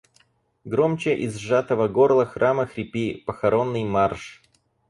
Громче из сжатого горла храма хрипи, похоронный марш!